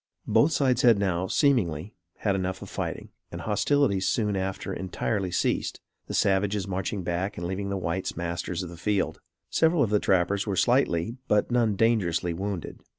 Both sides had now, seemingly, had enough of fighting, and hostilities soon after entirely ceased, the savages marching back and leaving the whites masters of the field. Several of the trappers were slightly, but none dangerously, wounded.